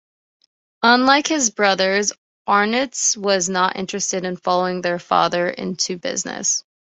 Unlike his brothers, Ornitz was not interested in following their father into business.